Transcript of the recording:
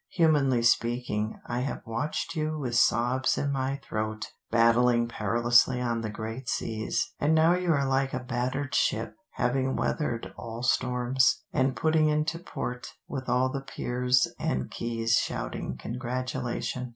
Humanly speaking, I have watched you with sobs in my throat, battling perilously on the great seas. And now you are like a battered ship, having weathered all storms, and putting into port, with all the piers and quays shouting congratulation.